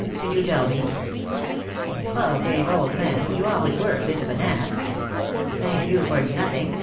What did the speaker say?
Can you tell me ?"" Palgrave, old man, you always were a bit of an ass." " Thank you for nothing.